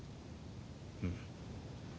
うん。